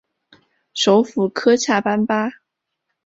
首府科恰班巴。